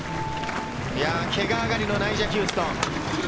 けが上がりのナイジャ・ヒューストン。